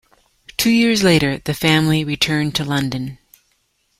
Two years later the family returned to London.